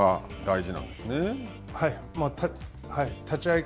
はい。